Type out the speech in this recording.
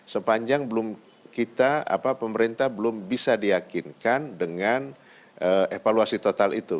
sepanjang belum kita pemerintah belum bisa diyakinkan dengan evaluasi total itu